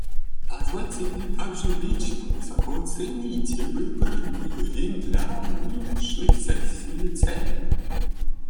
Позвольте мне также лично высоко оценить выбранную им для нынешней сессии тему.